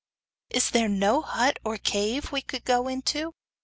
'Is there no hut or cave we could go into?